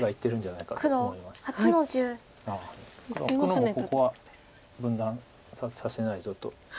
黒もここは分断させないぞと。